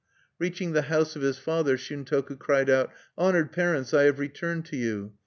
Reaching the house of his father, Shuntoku cried out: "Honored parents, I have returned to you!